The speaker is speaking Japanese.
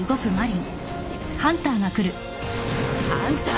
ハンター！